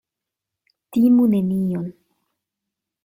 Timu nenion.